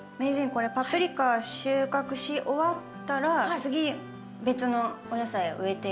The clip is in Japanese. これパプリカ収穫し終わったら次別のお野菜を植えていいんですか？